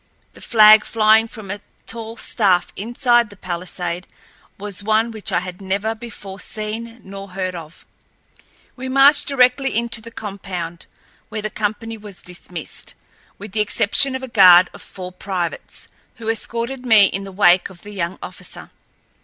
The flag flying from a tall staff inside the palisade was one which I had never before seen nor heard of. We marched directly into the compound, where the company was dismissed, with the exception of a guard of four privates, who escorted me in the wake of the young officer.